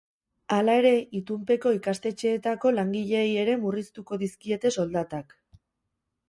Hala ere, itunpeko ikastetxeetako langileei ere murriztuko dizkiete soldatak.